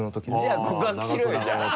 じゃあ告白しろよじゃあ。